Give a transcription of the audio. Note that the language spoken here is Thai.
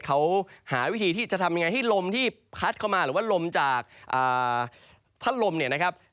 เขาหาวิธีที่จะทำยังไงให้ลมที่พัดเข้ามาหรือว่าลมจากพัดลมเนี่ยนะครับ